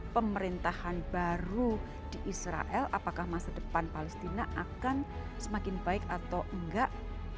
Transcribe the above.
pemerintahan baru di israel apakah masa depan palestina akan semakin baik atau enggak